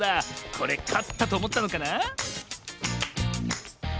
これかったとおもったのかな？